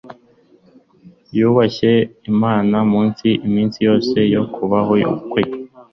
yubashye imana munsi iminsi yose yo kubaho kwe